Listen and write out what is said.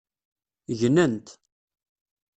Gnent.